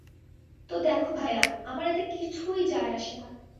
তো দেখো ভায়া, আমার এতে কিছুই যায় আসেনা।